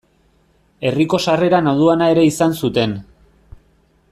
Herriko sarreran aduana ere izan zuten.